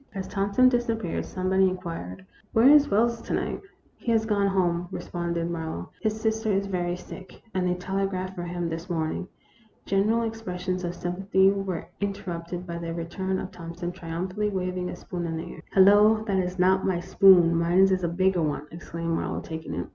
" As Thompson disappeared, somebody inquired, " Where is Wells to night ?" THE ROMANCE OF A SPOON. 191 " He has gone home," responded Marlowe. " His sister is very sick, and they telegraphed for him this morning." General expressions of sympathy were here in terrupted by the return of Thompson, triumphantly waving a spoon in the air. " Hello ! that 's not my spoon ; mine is a bigger one," exclaimed Marlowe, taking it.